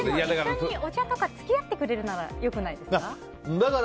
お茶とか付き合ってくれるなら良くないですか？